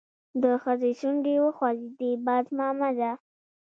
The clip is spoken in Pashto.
د ښځې شونډې وخوځېدې: باز مامده!